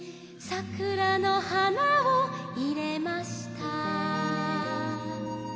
「桜の花を入れました」